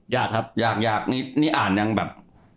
ยากนี่อ่านยังแบบ